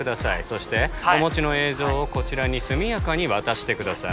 そしてお持ちの映像をこちらに速やかに渡してください